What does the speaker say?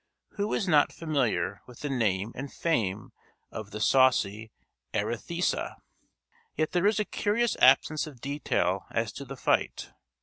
Who is not familiar with the name and fame of "the saucy Arethusa"? Yet there is a curious absence of detail as to the fight.